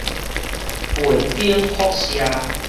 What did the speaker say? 背景輻射